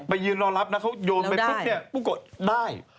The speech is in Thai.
ไปยืนรอรับนะเขาโยนไปปุ๊บนี่บุ๊กโกะได้